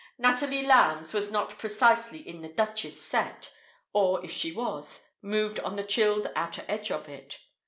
Natalie Lowndes was not precisely in the Duchess' "set", or if she was, moved on the chilled outer edge of it.